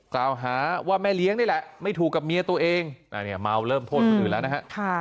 กล่าวหาว่าแม่เลี้ยงนี่แหละไม่ถูกกับเมียตัวเองนั่นเนี่ยเมาเริ่มโทษคืนแล้วนะครับ